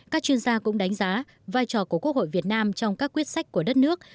các chuyên gia cũng đánh giá vai trò của quốc hội việt nam trong các quyết sách của đất nước